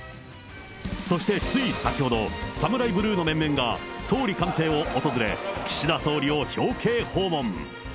そして、つい先ほど、サムライブルーの面々が総理官邸を訪れ、岸田総理を表敬訪問。